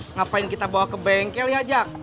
ngapain kita bawa ke bengkel ya jak